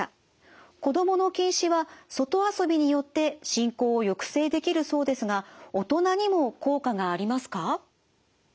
子どもの近視は外遊びによって進行を抑制できるそうですが大人にも効果がありますか？